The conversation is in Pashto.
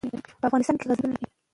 په افغانستان کې غزني شتون لري.